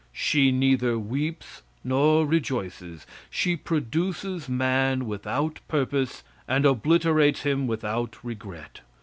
She neither weeps nor rejoices. She produces man without purpose, and obliterates him without regret.